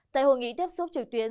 tại hội nghị tiếp xúc trực tuyến